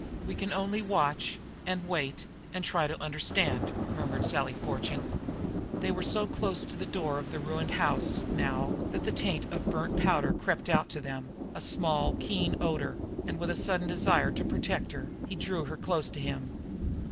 "We can only watch and wait and try to understand," murmured Sally Fortune. They were so close to the door of the ruined house, now, that a taint of burnt powder crept out to them, a small, keen odour, and with a sudden desire to protect her, he drew her close to him.